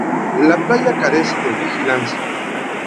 La playa carece de vigilancia.